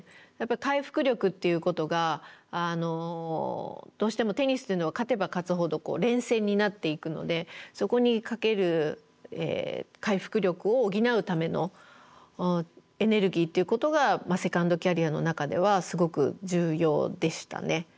回復力っていうことがどうしてもテニスというのは勝てば勝つほど連戦になっていくのでそこにかける回復力を補うためのエネルギーっていうことがセカンドキャリアの中ではすごく重要でしたね。